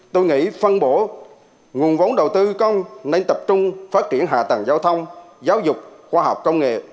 tôi nghĩ phân bổ nguồn vốn đầu tư công nên tập trung phát triển hạ tầng giao thông giáo dục khoa học công nghệ